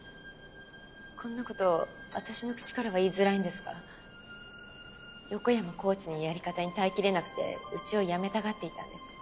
こんな事私の口からは言いづらいんですが横山コーチのやり方に耐えきれなくてうちを辞めたがっていたんです。